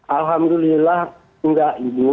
alhamdulillah enggak ibu